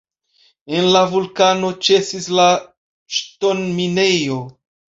En la vulkano ĉesis la ŝtonminejo.